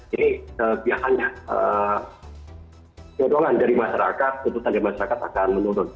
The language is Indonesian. biasanya dorongan dari masyarakat tuntutan dari masyarakat akan menurun